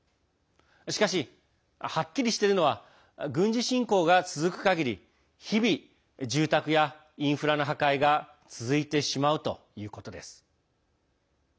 しかし、はっきりしているのは軍事侵攻が続くかぎり日々、住宅やインフラの破壊が続いてしまうということです。